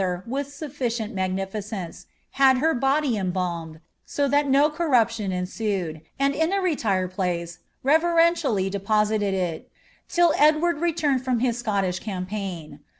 r with sufficient magnificence, had her body embalmed, so that no )tion ensued, and in a retired place reverentially deposited it, till rd returned from his Scottish campaign.